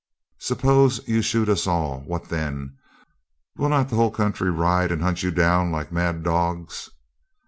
Subbose you shood us all, what then? Will not the whole coundry rice and hund you down like mat docks?'